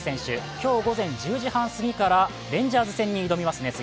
今日午前１０時半すぎからレンジャーズ戦に臨みますね。